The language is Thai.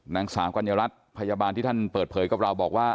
นางสาวกัญญารัฐพยาบาลที่ท่านเปิดเผยกับเราบอกว่า